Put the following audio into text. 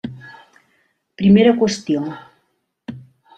Primera qüestió.